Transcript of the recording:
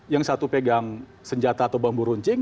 yang satu pegang senjata atau bambu runcing